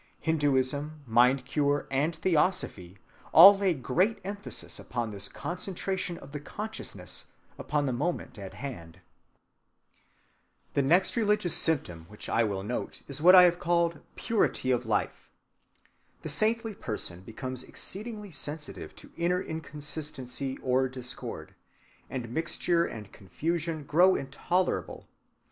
(174) Hinduism, mind‐cure, and theosophy all lay great emphasis upon this concentration of the consciousness upon the moment at hand. ‐‐‐‐‐‐‐‐‐‐‐‐‐‐‐‐‐‐‐‐‐‐‐‐‐‐‐‐‐‐‐‐‐‐‐‐‐ The next religious symptom which I will note is what I have called Purity of Life. The saintly person becomes exceedingly sensitive to inner inconsistency or discord, and mixture and confusion grow intolerable.